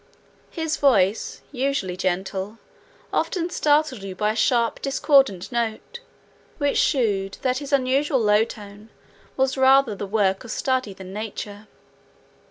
His voice, usually gentle, often startled you by a sharp discordant note, which shewed that his usual low tone was rather the work of study than nature.